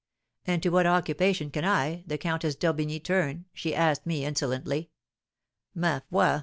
'And to what occupation can I, the Countess d'Orbigny, turn?' she asked me, insolently. '_Ma foi!